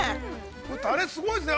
タレ、すごいですね。